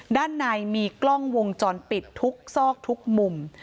ด้านในมีกล้องวงจรปิดทุกซอกทุกมุม